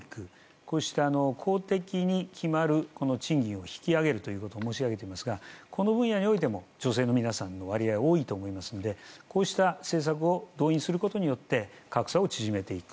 こうした公的に決まる賃金を引き上げるということを申し上げていますがこの分野においても女性の皆さんの割合は多いと思いますのでこうした政策を動員することによって格差を縮めていく。